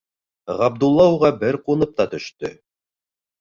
- Ғабдулла уға бер ҡунып та төштө.